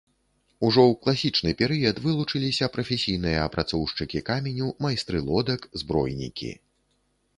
Ужо ў класічны перыяд вылучыліся прафесійныя апрацоўшчыкі каменю, майстры лодак, збройнікі.